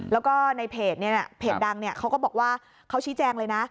แล้วก็ในเพจในเพจดังเนี่ยเขาก็บอกว่าเขาชี้แจงเลยนะ